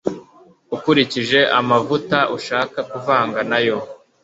ukurikije amavuta ushaka kuvanga nayo.